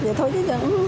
thì thôi chứ